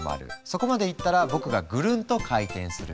そこまでいったら僕がぐるんと回転する。